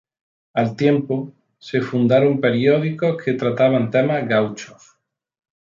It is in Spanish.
Al tiempo, se fundaron periódicos que trataban temas gauchos.